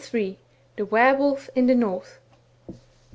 THE WERE WOLF IN THE NORTH.